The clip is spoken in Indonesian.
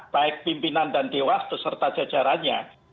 baik pimpinan dan dewas beserta jajarannya